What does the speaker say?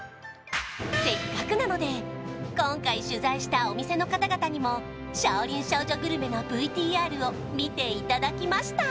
せっかくなので今回取材したお店の方々にも少林少女グルメのＶＴＲを見ていただきました